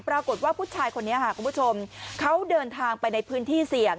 ปรากฏว่าผู้ชายคนนี้ค่ะคุณผู้ชมเขาเดินทางไปในพื้นที่เสี่ยง